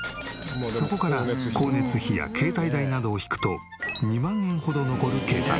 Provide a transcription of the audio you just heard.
そこから光熱費や携帯代などを引くと２万円ほど残る計算。